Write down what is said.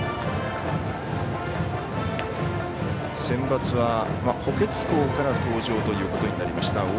センバツは補欠校から登場ということになりました